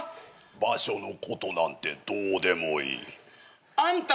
場所のことなんてどうでもいい。あんたは？